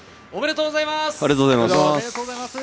おめでとうございます。